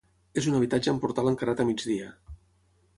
És un habitatge amb portal encarat a migdia.